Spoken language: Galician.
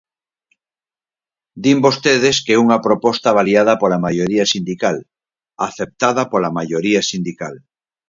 Din vostedes que é unha proposta avaliada pola maioría sindical, aceptada pola maioría sindical.